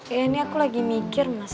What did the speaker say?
ya ini aku lagi mikir mas